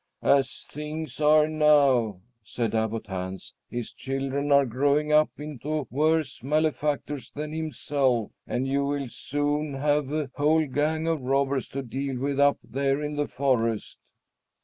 "As things are now," said Abbot Hans, "his children are growing up into worse malefactors than himself, and you will soon have a whole gang of robbers to deal with up there in the forest."